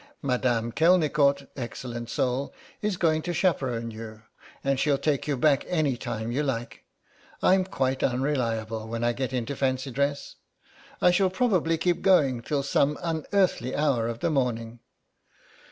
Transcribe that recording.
Madame Kelnicort, excellent soul, is going to chaperone you, and she'll take you back any time you like; I'm quite unreliable when I get into fancy dress. I shall probably keep going till some unearthly hour of the morning."